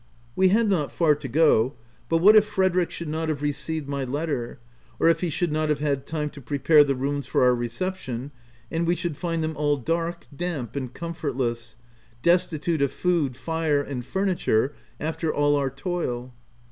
We had not far to go ; but what if Frederick should not have received my letter ? or if he should not have had time to prepare the rooms for our reception ; and we should find them all dark, damp, and comfortless ; destitute of food, fire, and furniture, after all our toil